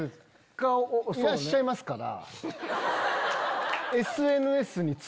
いらっしゃいますから。